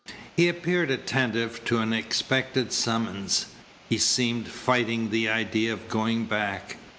He appeared attentive to an expected summons. He seemed fighting the idea of going back.